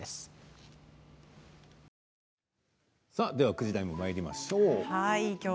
９時台もまいりましょう。